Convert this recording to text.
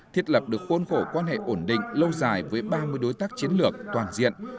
thiết lập được khuôn khổ quan hệ ổn định lâu dài với ba mươi đối tác chiến lược toàn diện